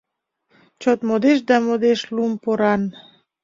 Чот модеш да модеш лум-поран.